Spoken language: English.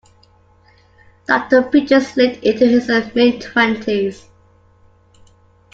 Doctor Peaches lived into his mid-twenties.